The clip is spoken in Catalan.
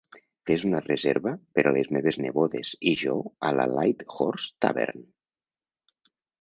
Fes una reserva per a les meves nebodes i jo a la Light Horse Tavern.